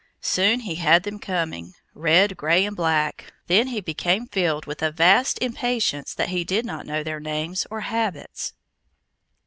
Soon he had them coming red, gray, and black; then he became filled with a vast impatience that he did not know their names or habits.